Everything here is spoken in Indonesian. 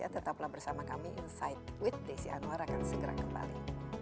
tetaplah bersama kami insight with desi anwar akan segera kembali